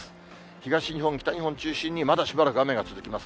東日本、北日本中心に、まだしばらく雨が続きます。